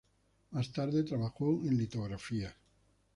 Más tarde, trabajó en litografías.